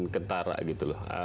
kentara gitu loh